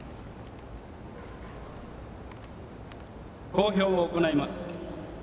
講評を行います。